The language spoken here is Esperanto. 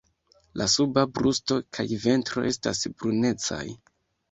La suba brusto kaj ventro estas brunecaj.